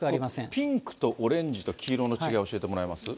ピンクとオレンジと黄色の違いを教えてもらえます？